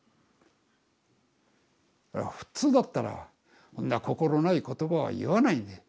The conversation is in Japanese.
普通だったらそんな心ない言葉は言わないんだよ。